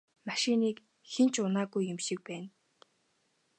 Машиныг хэн ч унаагүй юм шиг байна.